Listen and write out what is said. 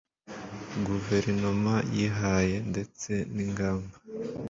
guverinoma yihaye ndetse n ingamba